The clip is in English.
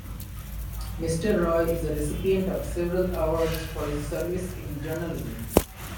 Mr. Roy is a recipient of several awards for his service in journalism.